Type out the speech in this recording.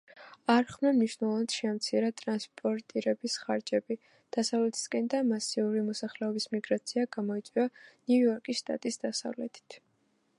არხმა მნიშვნელოვნად შეამცირა ტრანსპორტირების ხარჯები დასავლეთისკენ და მასიური მოსახლეობის მიგრაცია გამოიწვია ნიუ-იორკის შტატის დასავლეთით.